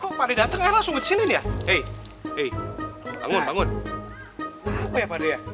kok padi dateng langsung kecilin ya